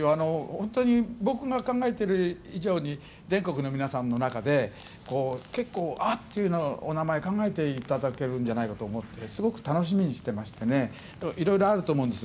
本当に僕が考えている以上に全国の皆さんの中で、こう、結構、あっというようなお名前考えていただけるんじゃないかと思って、すごく楽しみにしてましてね、いろいろあると思うんです。